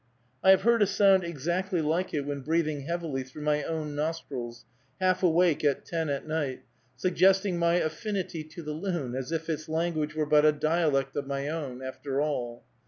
I have heard a sound exactly like it when breathing heavily through my own nostrils, half awake at ten at night, suggesting my affinity to the loon; as if its language were but a dialect of my own, after all.